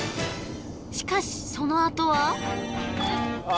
しかしそのあとはあ